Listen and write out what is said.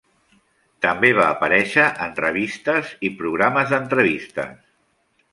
També va aparèixer en revistes i programes d'entrevistes.